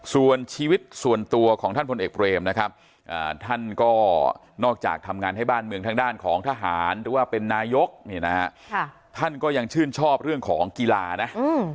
ส่วนชีวิตส่วนตัวของท่านพลเอกเบรมนะครับท่านก็นอกจากทำงานให้บ้านเมืองทางด้านของทหารหรือว่าเป็นนายกเนี่ยนะฮะท่านก็ยังชื่นชอบเรื่องของกีฬานะ